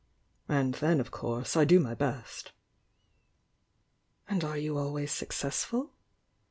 And then of course I do my best." "And are you always successful?"